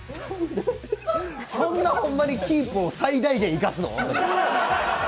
そんなホンマにキープを最大限生かすの？